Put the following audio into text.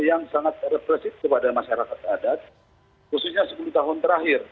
yang sangat represif kepada masyarakat adat khususnya sepuluh tahun terakhir